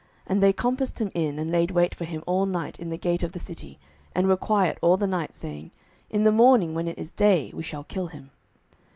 And they compassed him in, and laid wait for him all night in the gate of the city, and were quiet all the night, saying, In the morning, when it is day, we shall kill him.